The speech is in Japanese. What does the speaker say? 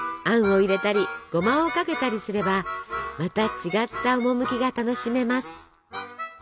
あんを入れたりごまをかけたりすればまた違った趣が楽しめます。